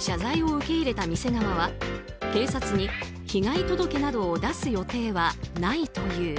謝罪を受け入れた店側は警察に被害届などを出す予定はないという。